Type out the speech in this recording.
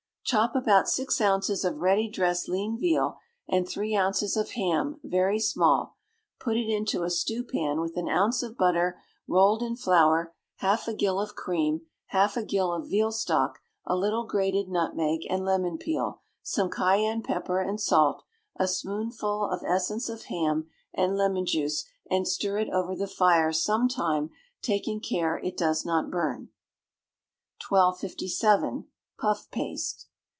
Chop about six ounces of ready dressed lean veal, and three ounces of ham, very small; put it into a stewpan with an ounce of butter rolled in flour, half a gill of cream, half a gill of veal stock, a little grated nutmeg and lemon peel, some cayenne pepper and salt, a spoonful of essence of ham, and lemon juice, and stir it over the fire some time, taking care it does not burn. 1257. Puff Paste.